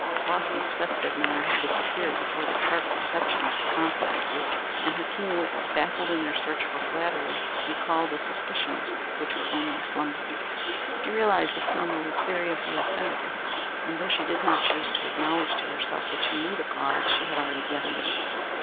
Flossy's festive manner had disappeared before the tart reception of her confidences, and her keen wits, baffled in their search for flattery, recalled the suspicions which were only slumbering. She realized that Selma was seriously offended with her, and though she did not choose to acknowledge to herself that she knew the cause, she had already guessed it.